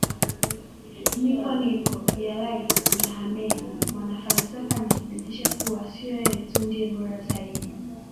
Nipo Nipo Yalaiti na Ameen MwanaFalsafa amethibitisha kuwa sio yeye tu ndiye bora zaidi